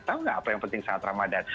tahu nggak apa yang penting saat ramadan